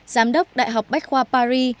giám đốc đại học bách khoa paris